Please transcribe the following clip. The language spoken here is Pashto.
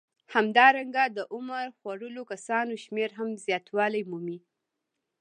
همدارنګه د عمر خوړلو کسانو شمېر هم زیاتوالی مومي